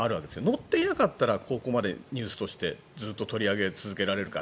乗っていなかったらここまでニュースとしてずっと取り上げ続けられるか。